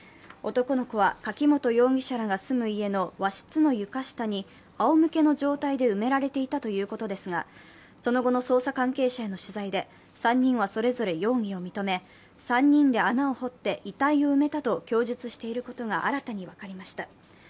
男の子は柿本容疑者らが住む家の和室の床下にあおむけの状態で埋められていたということですが、その後の捜査関係者への取材で３人はそれぞれ容疑を認め、３人で穴を掘って遺体を埋めたと供述していることが新たに分かりました。